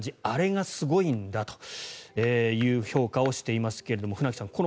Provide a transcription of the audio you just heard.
あれがすごいんだという評価をしていますが船木さん